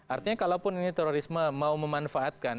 artinya kalaupun ini terorisme mau memanfaatkan